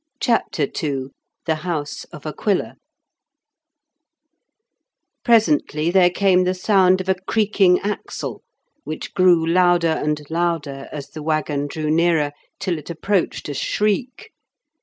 CHAPTER II THE HOUSE OF AQUILA Presently there came the sound of a creaking axle, which grew louder and louder as the waggon drew nearer, till it approached a shriek.